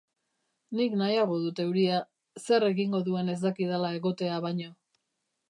Nik nahiago dut euria, zer egingo duen ez dakidala egotea baino.